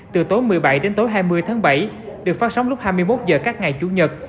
từ tối một mươi bảy đến tối hai mươi tháng bảy được phát sóng lúc hai mươi một h các ngày chủ nhật